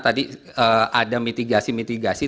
tadi ada mitigasi mitigasi